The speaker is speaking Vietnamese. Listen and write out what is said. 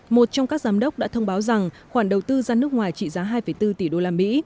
một trong các giám đốc đã thông báo rằng khoản đầu tư ra nước ngoài trị giá hai bốn tỷ usd